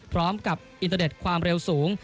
พร้อมกับอินเตอร์เน็ตความเร็วสูง